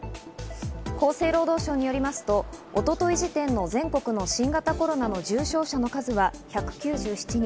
厚生労働省によりますと、一昨日時点の全国の新型コロナの重症者の数は１９７人。